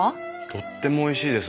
とってもおいしいです。